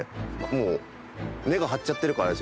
もう根が張っちゃってるからですよね